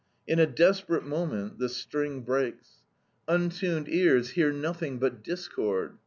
In a desperate moment the string breaks. Untuned ears hear nothing but discord.